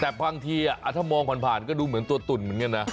แต่บางทีถ้ามองผ่านก็ดูเหมือนตัวตุ่นเหมือนกันนะ